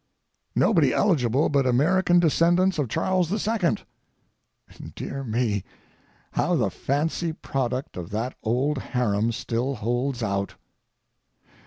Nobody eligible but American descendants of Charles II. Dear me, how the fancy product of that old harem still holds out!